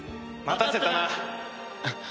待たせたな！